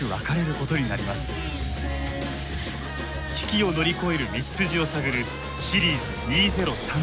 危機を乗り越える道筋を探る「シリーズ２０３０」。